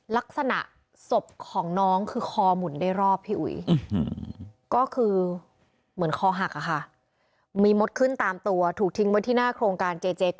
ลักษณะศพของน้องคือคอหมุนได้รอบพี่อุ๋ยก็คือเหมือนคอหักอะค่ะ